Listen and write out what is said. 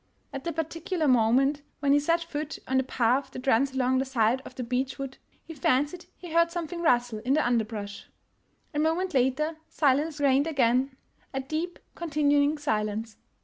At the particular moment when he set foot on the path that runs along the side of the beech wood, he fancied he heard something rustle in the underbrush. A moment later silence reigned again — a deep, continuing silence.